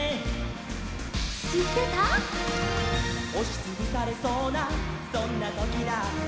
「おしつぶされそうなそんなときだって」